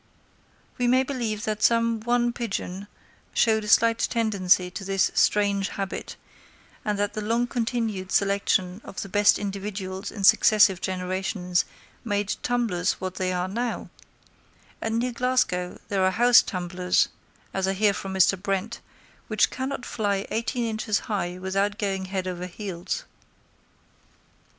We may believe that some one pigeon showed a slight tendency to this strange habit, and that the long continued selection of the best individuals in successive generations made tumblers what they now are; and near Glasgow there are house tumblers, as I hear from Mr. Brent, which cannot fly eighteen inches high without going head over heels.